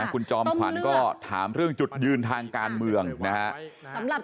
คุณจอมขวัญก็ถามเรื่องจุดยืนทางการเมืองนะครับ